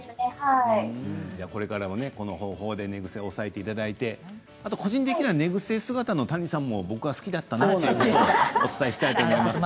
これからもこの方法で寝ぐせをおさえていただいてあと個人的には寝ぐせ姿の谷さんも好きだったなとお伝えしたいと思います。